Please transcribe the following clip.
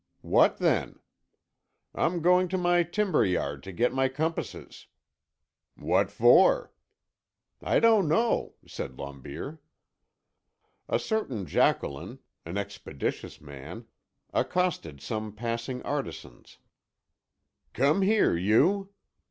"What then?" "I'm going to my timber yard to get my compasses." "What for?" "I don't know," said Lombier. A certain Jacqueline, an expeditious man, accosted some passing artisans: "Come here, you!"